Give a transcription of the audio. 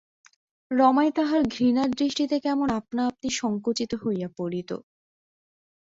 রমাই তাহার ঘৃণার দৃষ্টিতে কেমন আপনাআপনি সঙ্কুচিত হইয়া পড়িত।